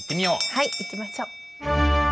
はい行きましょう。